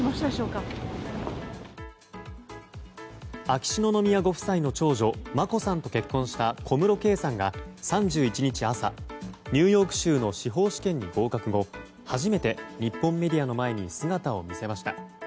秋篠宮ご夫妻の長女眞子さんと結婚した小室圭さんが、３１日朝ニューヨーク州の司法試験に合格後初めて日本メディアの前に姿を見せました。